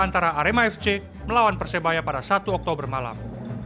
antara arema fc melawan persebaya pada satu oktober malam